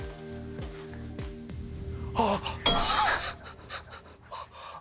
あっ！